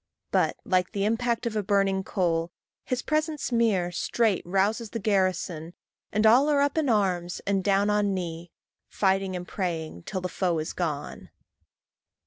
But, like the impact of a burning coal, His presence mere straight rouses the garrison, And all are up in arms, and down on knee, Fighting and praying till the foe is gone.